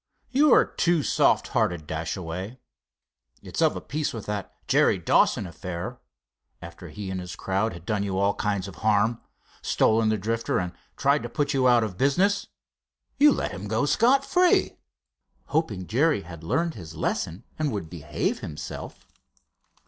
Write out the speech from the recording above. You are too soft hearted, Dashaway. It's of a piece with that Jerry Dawson affair. After he and his crowd had done you all kinds of harm, stolen the Drifter and tried to put you out of business, you let him go scot free." "Hoping Jerry had learned his lesson and would behave himself."